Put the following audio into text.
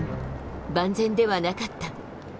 万全ではなかった。